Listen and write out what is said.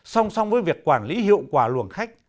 song song với việc quản lý hiệu quả luồng khách